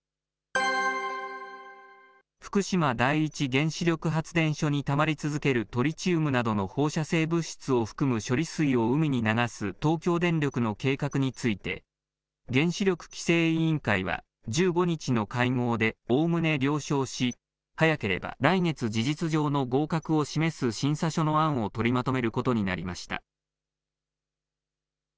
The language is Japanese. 福島第一原子力発電所にたまり続ける、トリチウムなどの放射性物質を含む処理水を海に流す東京電力の計画について、原子力規制委員会は、１５日の会合でおおむね了承し、早ければ来月、事実上の合格を示す審査書の案を取りまとめることになりました。